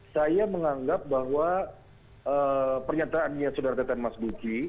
saya menganggap bahwa pernyataannya saudara tetan mas buki